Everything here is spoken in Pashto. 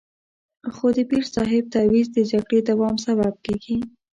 خو د پیر صاحب تعویض د جګړې دوام سبب کېږي.